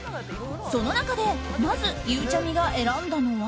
その中で、まずゆうちゃみが選んだのは。